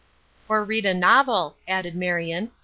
"Or read a novel," added Marion.